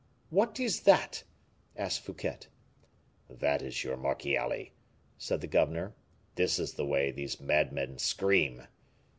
"What is that?" asked Fouquet. "That is your Marchiali," said the governor; "this is the way these madmen scream."